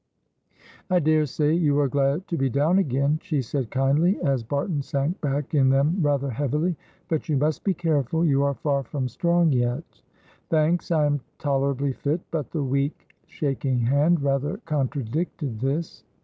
"I daresay you are glad to be down again," she said, kindly, as Barton sank back in them rather heavily; "but you must be careful, you are far from strong yet." "Thanks, I am tolerably fit," but the weak, shaking hand rather contradicted this.